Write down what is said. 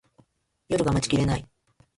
夜が待ちきれない